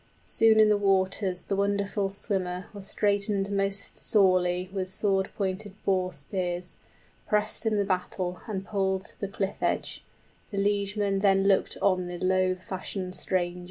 Soon in the waters the wonderful swimmer Was straitened most sorely with sword pointed boar spears, 55 Pressed in the battle and pulled to the cliff edge; The liegemen then looked on the loath fashioned stranger.